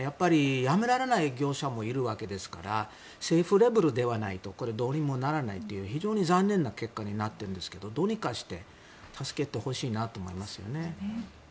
やっぱりやめられない業者もいるわけですから政府レベルではないとこれはどうにもならないという非常に残念な結果になっているんですけどどうにかして助けてほしいなと思いますよね。